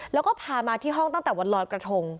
แล้วก็พามาที่ห้องตั้งแต่วันลอยกระทง